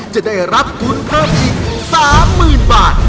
จะได้รับทุนเพิ่มอีก๓๐๐๐บาท